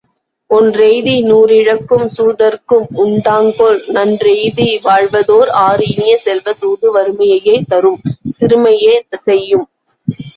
ஒன்றெய்தி நூறிழக்கும் சூதர்க்கும் உண்டாங்கொல் நன்றெய்தி வாழ்வதோர் ஆறு இனிய செல்வ, சூது வறுமையையே தரும், சிறுமையே செய்யும்.